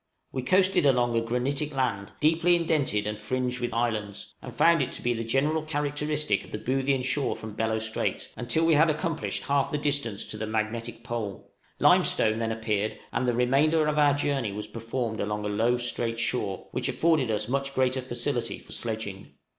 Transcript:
} We coasted along a granitic land, deeply indented and fringed with islands, and found it to be the general characteristic of the Boothian shore from Bellot Strait, until we had accomplished half the distance to the magnetic pole; limestone then appeared, and the remainder of our journey was performed along a low, straight shore, which afforded us much greater facility for sledging.